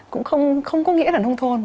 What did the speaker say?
cũng không có nghĩa là nông thôn